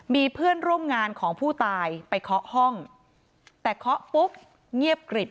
มีเพื่อนร่วมงานของผู้ตายไปเคาะห้องแต่เคาะปุ๊บเงียบกริบ